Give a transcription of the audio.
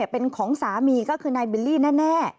เป็นของสามีก็คือนายบิลลี่แน่